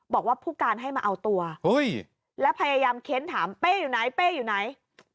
บอกว่าผู้การให้มาเอาตัวแล้วพยายามเค้นถามเป้อยู่ไหนเป้อยู่ไหน